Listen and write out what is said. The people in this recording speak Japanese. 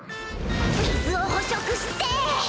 水を捕食して。